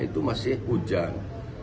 itu masih hujan